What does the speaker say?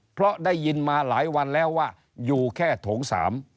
เพราะได้ยินมาหลายวันแล้วว่าอยู่แค่โถงสาม